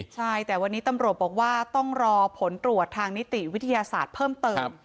ใช่แต่วันนี้ตำรวจบอกว่าต้องรอผลตรวจทางนิติวิทยาศาสตร์เพิ่มเติม